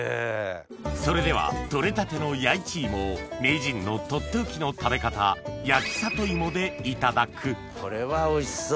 それでは取れたての弥一芋を名人のとっておきの食べ方焼き里芋でいただくこれはおいしそう！